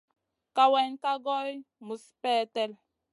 Kawayna ka goy muzi peldet.